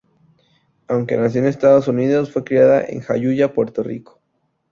Aunque nació en Estados Unidos fue criada en Jayuya, Puerto Rico.